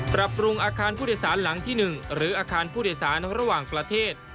ปรับปรุงอาคารผู้โดยสารหลังที่๑หรืออาคารผู้โดยสารระหว่างประเทศ